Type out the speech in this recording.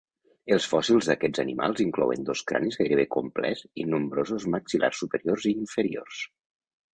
Els fòssils d'aquests animals inclouen dos cranis gairebé complets i nombrosos maxil·lars superiors i inferiors.